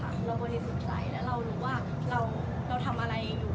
เราบริสุทธิ์ใจแล้วเรารู้ว่าเราทำอะไรอยู่